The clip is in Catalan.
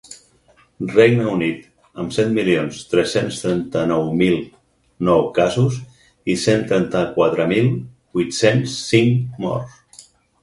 Regne Unit, amb set milions tres-cents trenta-nou mil nou casos i cent trenta-quatre mil vuit-cents cinc morts.